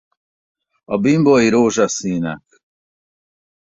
A bimbói rózsaszínek.